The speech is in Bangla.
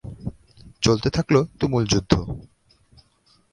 চলতে থাকল তুমুল যুদ্ধ।